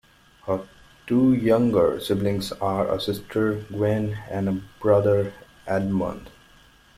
Her two younger siblings are a sister, Gwen, and a brother, Edmund.